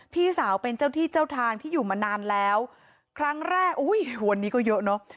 พี่สาวเป็นเจ้าที่เจ้าทางที่อยู่มานานแล้วครั้งแรกอุ้ยวันนี้ก็เยอะเนอะ